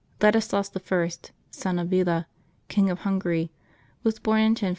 HADiSLAs the First, son of Bela, King of Hungary, was born in 1041.